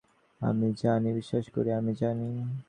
আমি জানি, বিশ্বাস কর-আমি জানি।